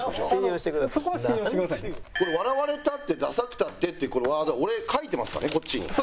「笑われたってダサくたって」ってこのワードは俺書いてますからねこっちに。